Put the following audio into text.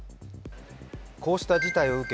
こうした事態を受け